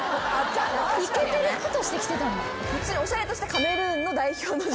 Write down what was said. いけてる服として着てたんだ。